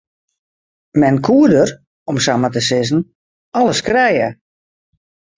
Men koe der om samar te sizzen alles krije.